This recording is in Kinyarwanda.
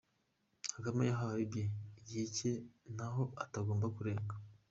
Kagame yahawe ibye, igihe cye n’aho atagomba kurenga.